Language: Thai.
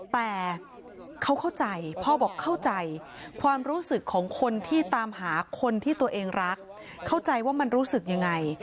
แต่เขาเข้าใจพ่อบอกเข้าใจความรู้สึกของคนที่ตามหาคนที่ตัวเองรักเข้าใจว่ามันรู้สึกยังไง